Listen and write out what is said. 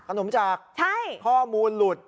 หนุ่มจากข้อมูลหลุด